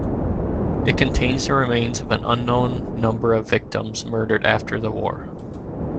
It contains the remains of an unknown number of victims murdered after the war.